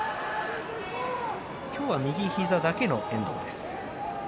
今日は右膝だけの遠藤です。